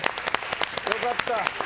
よかった。